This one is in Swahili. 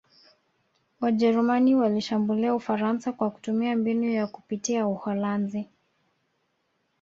Wajerumani walishambulia Ufaransa kwa kutumia mbinu ya kupitia Uholanzi